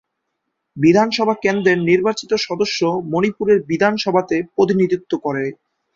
বিধানসভা কেন্দ্রের নির্বাচিত সদস্য মণিপুরের বিধানসভাতে প্রতিনিধিত্ব করে।